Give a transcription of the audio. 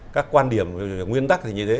các quan điểm nguyên tắc thì như thế